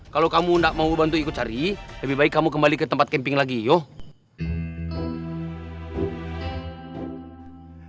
kalau kamu tidak mau bantu ikut cari lebih baik kamu kembali ke tempat camping lagi yuk